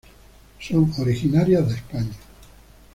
Son originarias de España.